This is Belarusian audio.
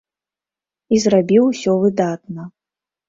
І зрабіў усё выдатна.